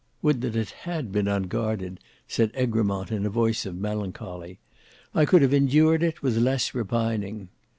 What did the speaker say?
"Would that it had been unguarded!" said Egremont in a voice of melancholy. "I could have endured it with less repining.